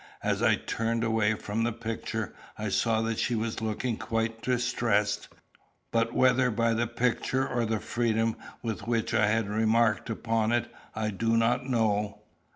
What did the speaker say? As I turned away from the picture, I saw that she was looking quite distressed, but whether by the picture or the freedom with which I had remarked upon it, I do not know.